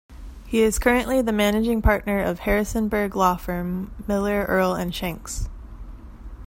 He is currently the managing partner of Harrisonburg law firm Miller, Earle and Shanks.